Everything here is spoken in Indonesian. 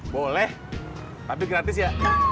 boleh tapi gratis ya